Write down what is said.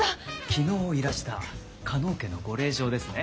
昨日いらした加納家のご令嬢ですね。